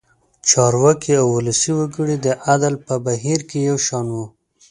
چارواکي او ولسي وګړي د عدل په بهیر کې یو شان وو.